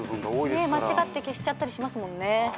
間違って消しちゃったりしますもんね。